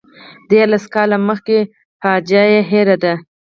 دیارلس کاله مخکې فاجعه یې هېره ده.